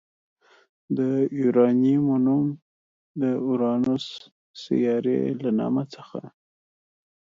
د یوارنیمو نوم د اورانوس سیارې له نامه څخه